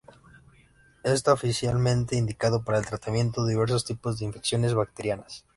Esta oficialmente indicado para el tratamiento diversos tipos de infecciones bacterianas.